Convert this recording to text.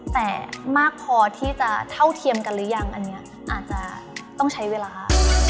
แต่มากพอที่จะเท่าเทียมกันหรือยังอันนี้อาจจะต้องใช้เวลา